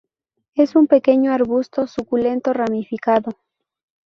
Es un pequeño arbusto suculento ramificado.